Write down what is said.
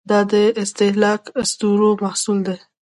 دا د استهلاکي اسطورو محصول دی.